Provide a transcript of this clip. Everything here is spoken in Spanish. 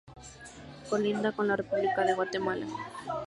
Colinda con la República de Guatemala.